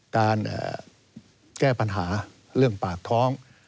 การแก้ปัญหาเรื่องปากท้อง